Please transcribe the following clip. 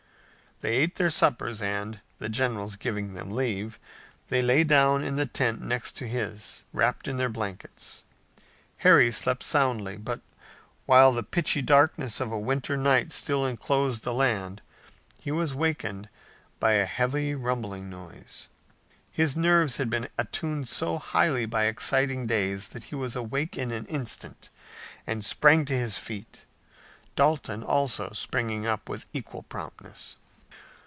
They ate their suppers, and, the general giving them leave, they lay down in the tent next to his, wrapped in their blankets. Harry slept soundly, but while the pitchy darkness of a winter night still enclosed the land he was awakened by a heavy rumbling noise. His nerves had been attuned so highly by exciting days that he was awake in an instant and sprang to his feet, Dalton also springing up with equal promptness.